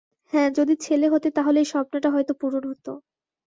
হ্যাঁ, যদি ছেলে হতে তাহলে এই স্বপ্নটা হয়তো পূরণ হতো।